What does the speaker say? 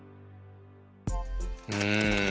うん。